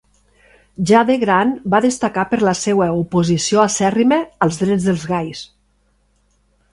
Ja de gran, va destacar per la seva oposició acèrrima als drets dels gais.